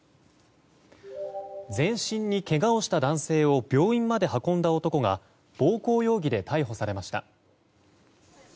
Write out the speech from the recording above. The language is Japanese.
全身にけがをした男性を病院まで運んだ男が暴行容疑で逮捕されました。